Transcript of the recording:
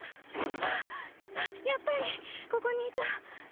やっぱりここにいた。